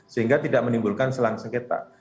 sehingga tidak menimbulkan selang sengketa